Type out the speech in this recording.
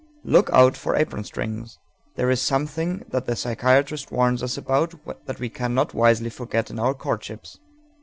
Look out for apron strings._ There is something that the psychiatrist warns us about that we cannot wisely forget in our courtships.